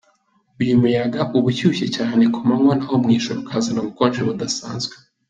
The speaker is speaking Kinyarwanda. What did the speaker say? Uyu muyaga uba ushyushye cyane ku manywa naho mu ijoro ukazana ubukonje budasanzwe.